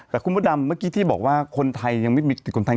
แต่คุณพระดำเมื่อกี้ที่บอกว่าคนไทยยังไม่มีติดคนไทย